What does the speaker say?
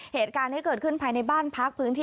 เหตุการณ์ที่เกิดขึ้นภายในบ้านพักพื้นที่